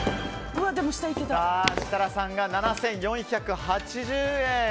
設楽さんが７４８０円。